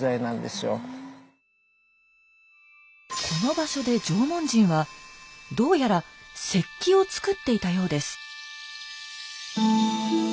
この場所で縄文人はどうやら石器をつくっていたようです。